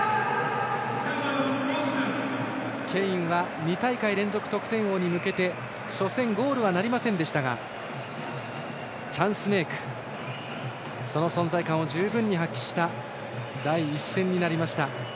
ケインは２大会連続得点王に向けて初戦ゴールはなりませんでしたがチャンスメイクでその存在感を十分に発揮した第１戦になりました。